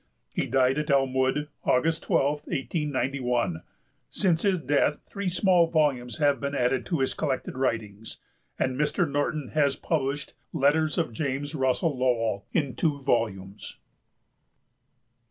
He died at Elmwood, August 12, 1891. Since his death three small volumes have been added to his collected writings, and Mr. Norton has published Letters of James Russell Lowell, in two volumes.